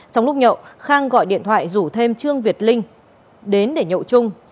trong lúc nhậu khang gọi điện thoại rủ thêm trương việt linh đến để nhậu chung